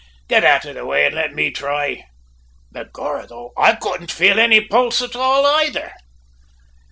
`Git out o' the way an' let me thry!' "Begorrah, though, I couldn't fale any pulse at all aythar.